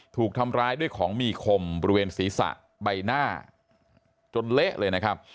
ถูกทำร้ายด้วยของมีคมบริเวณศีรษะใบหน้าจนเละเลยนะครับ